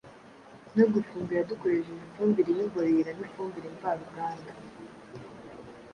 no gufumbira dukoresha ifumbire y’imborera n’ifumbire mvaruganda.